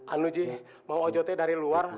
anu ji mau ojotnya dari luar